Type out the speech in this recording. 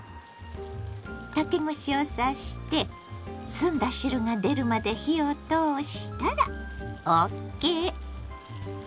竹串を刺して澄んだ汁が出るまで火を通したらＯＫ。